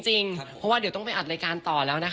เพราะว่าเดี๋ยวต้องไปอัดรายการต่อแล้วนะคะ